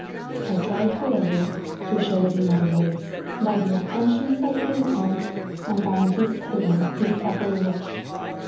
I tried, however, to show it in other ways, by the attentions I paid him and by anticipating his every wish.